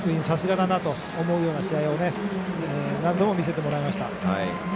さすがだなと思うような試合を何度も見せてもらいました。